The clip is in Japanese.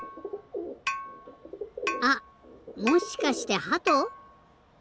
あっもしかしてハト？